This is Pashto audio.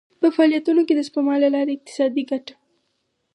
په فعالیتونو کې د سپما له لارې اقتصادي ګټه.